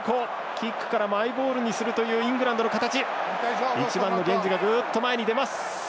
キックからマイボールにするというイングランドの形。